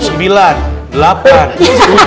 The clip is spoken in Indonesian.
eh mati pak ustadz